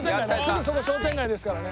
すぐそこ商店街ですからね。